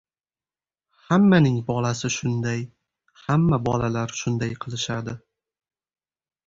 Hammaning bolasi shunday, hamma bolalar shunday qilishadi.